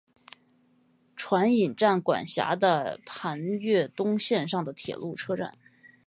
船引站管辖的磐越东线上的铁路车站。